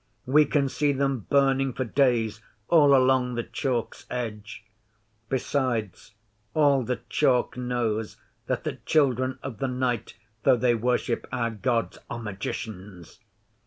We can see them burning for days all along the Chalk's edge. Besides, all the Chalk knows that the Children of the Night, though they worship our Gods, are magicians.